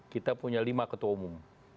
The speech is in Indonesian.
kita punya lima ketua umum